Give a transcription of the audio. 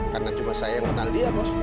karena cuma saya yang kenal dia bos